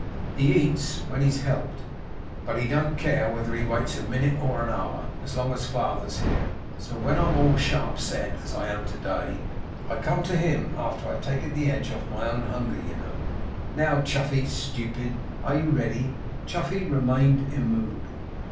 'He eats when he's helped. But he don't care whether he waits a minute or an hour, as long as father's here; so when I'm at all sharp set, as I am to day, I come to him after I've taken the edge off my own hunger, you know. Now, Chuffey, stupid, are you ready?' Chuffey remained immovable.